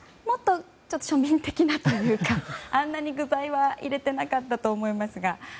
もっと庶民的なというかあんなに具材は入れてなかったと思いますが。